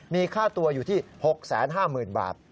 มีค่าตัวอยู่ที่๖๕๐๐๐บาท